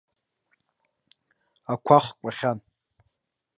Ақәа хқәахьан.